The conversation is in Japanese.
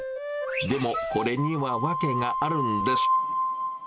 でも、これには訳があるんです。